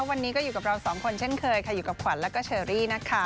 วันนี้ก็อยู่กับเราสองคนเช่นเคยค่ะอยู่กับขวัญแล้วก็เชอรี่นะคะ